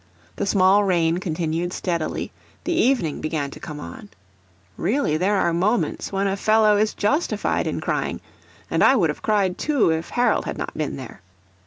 The small rain continued steadily, the evening began to come on. Really there are moments when a fellow is justified in crying; and I would have cried too, if Harold had not been there.